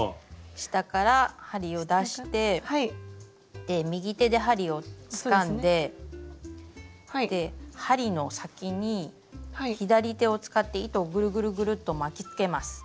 下から針を出して右手で針をつかんで針の先に左手を使って糸をぐるぐるぐると巻きつけます。